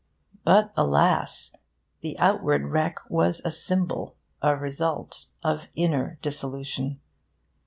But alas! the outward wreck was a symbol, a result, of inner dissolution.